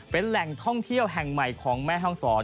เป็นแหล่งท่องเที่ยวแห่งใหม่ของแม่ห้องศร